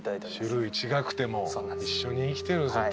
種類違くても一緒に生きてるぞという。